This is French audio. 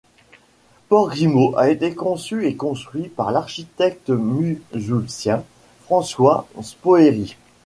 Port Grimaud a été conçu et construit par l'architecte mulhousien François Spoerry.